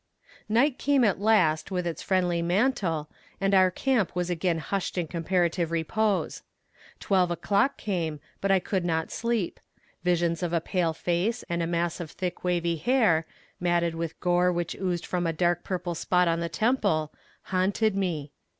Night came at last with its friendly mantle, and our camp was again hushed in comparative repose. Twelve o'clock came, but I could not sleep. Visions of a pale face and a mass of black wavy hair, matted with gore which oozed from a dark purple spot on the temple, haunted me.